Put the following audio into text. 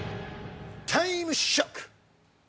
タイムショック！